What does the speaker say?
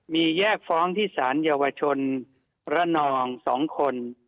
มีแยกฟ้องที่สารเยาวชนระนอง๒คน